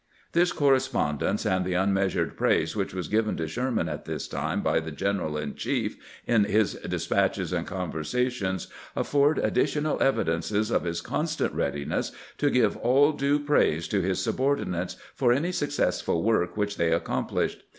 This correspon dence, and the unmeasured praise which was given to Sherman at this time by the general in chief in his de spatches and conversations, afford additional evidences of his constant readiness to give all due praise to his subordinates for any successful work which they ac complished.